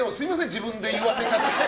自分で言わせちゃって。